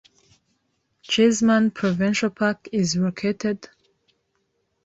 Cheeseman Provincial Park is located.